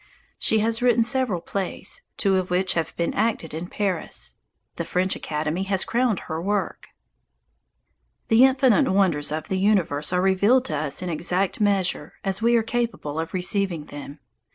She has written several plays, two of which have been acted in Paris. The French Academy has crowned her work. The infinite wonders of the universe are revealed to us in exact measure as we are capable of receiving them.